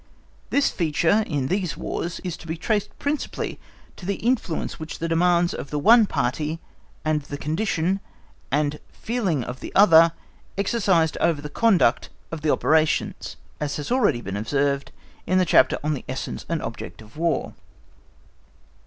This feature in these Wars, is to be traced principally to the influence which the demands of the one party, and the condition, and feeling of the other, exercised over the conduct of the operations, as has been already observed in the chapter on the essence and object of War.